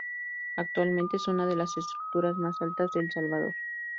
Actualmente es una de las estructuras más altas de El Salvador.